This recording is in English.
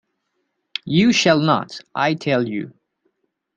You shall not, I tell you.